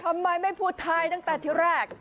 ทำไมไม่พูดไทยตั้งแต่ที่แรก